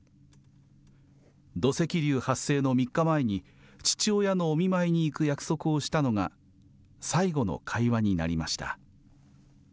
土石流発生の３日前に、父親のお見舞いに行く約束をしたのが最後の会話になりました。